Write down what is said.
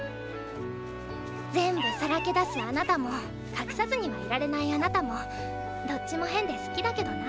全部さらけ出すあなたも隠さずにはいられないあなたもどっちも変で好きだけどな。